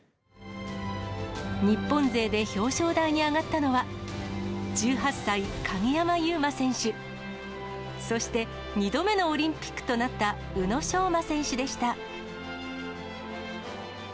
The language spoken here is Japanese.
日本勢で表彰台に上がったのは、１８歳、鍵山優真選手、そして２度目のオリンピックとなった宇野昌磨選手でした。